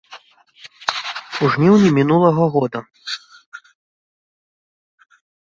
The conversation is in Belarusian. У жніўні мінулага года!